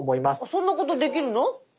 そんなことできるの？